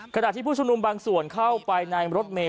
ขณะที่ผู้ชุมนุมบางส่วนเข้าไปในรถเมย